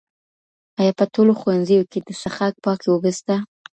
آیا په ټولو ښوونځیو کي د څښاک پاکي اوبه سته؟